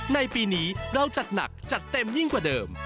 ในปีนี้เราจัดหนักจัดเต็มยิ่งกว่าเดิม